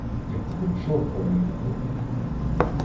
Якого чорта вони тут роблять?